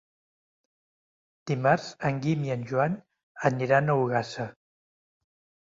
Dimarts en Guim i en Joan aniran a Ogassa.